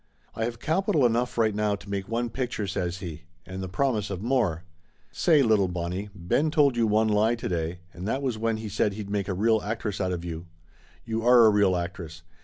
"I have capital enough right now to make one pic ture," says he. "And the promise of more. Say, little Bonnie, Ben told you one lie today, and that was when he said he'd make a real actress out of you. You are a real actress.